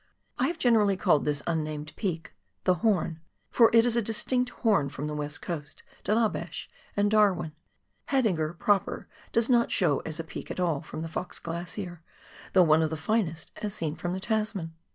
I have generally called this unnamed peak " The Horn," for it is a distinct horn from the West Coast, De la Beche, and Darwin. Haidinger (proper) does not show as a peak at all from the Fox Glacier, though one of the finest as seen from the Tasman.